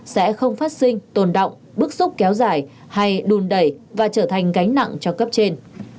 sẽ không phát sinh tồn đọng bức xúc kéo dài hay đùn đẩy và trở thành gánh nặng cho cấp trên